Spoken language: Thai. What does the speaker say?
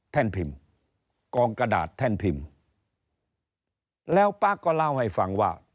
พิมพ์กองกระดาษแท่นพิมพ์แล้วป๊าก็เล่าให้ฟังว่า